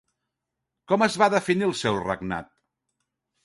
Com es va definir el seu regnat?